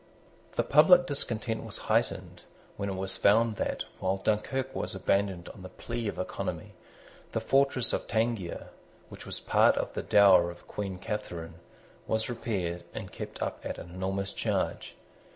The public discontent was heightened, when it was found that, while Dunkirk was abandoned on the plea of economy, the fortress of Tangier, which was part of the dower of Queen Catharine, was repaired and kept up at an enormous charge.